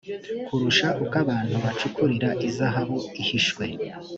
kurusha uko abantu bacukurira izahabu ihishwe